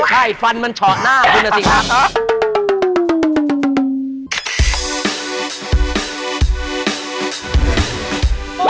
ใช่ฟันมันเฉาะหน้าคุณนะสิครับ